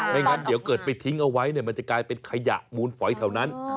งั้นเดี๋ยวเกิดไปทิ้งเอาไว้มันจะกลายเป็นขยะมูลฝอยแถวนั้น